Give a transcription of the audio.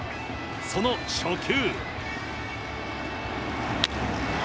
その初球。